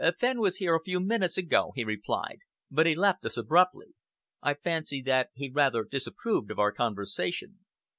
"Fenn was here a few minutes ago," he replied, "but he left us abruptly. I fancy that he rather disapproved of our conversation."